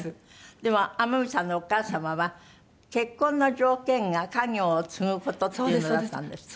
でも天海さんのお母様は結婚の条件が家業を継ぐ事っていうのだったんですって？